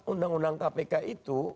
undang undang kpk itu